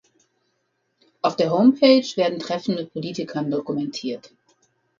Auf der Homepage werden Treffen mit Politikern dokumentiert.